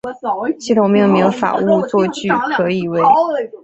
系统命名法恶作剧可以为